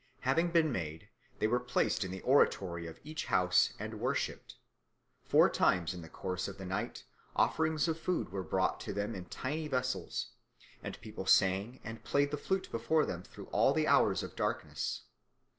Having been made, they were placed in the oratory of each house and worshipped. Four times in the course of the night offerings of food were brought to them in tiny vessels; and people sang and played the flute before them through all the hours of darkness.